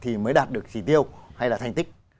thì mới đạt được chỉ tiêu hay là thành tích